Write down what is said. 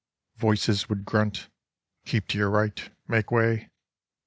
Voices would grunt `Keep to your right make way!'